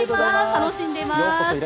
楽しんでいます。